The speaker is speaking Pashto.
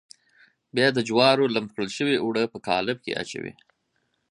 بیا د جوارو لمد کړل شوي اوړه په قالب کې اچوي.